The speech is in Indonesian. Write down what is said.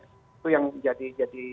itu yang jadi jadi